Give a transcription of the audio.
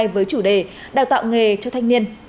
với chủ đề đào tạo nghề cho thanh niên